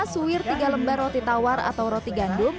dua suwir tiga lembar roti tawar atau roti gandum